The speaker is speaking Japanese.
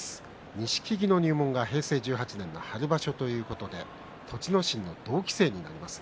錦木の入門が平成１８年の春場所ということで栃ノ心の同期生になります。